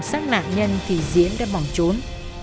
sát nạn nhân thì diễn đã bỏng trốn